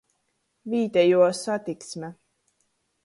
Vītejuo satiksme.